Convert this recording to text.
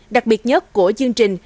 đặc biệt nhất của chương trình